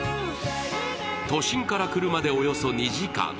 都心から車でおよそ２時間。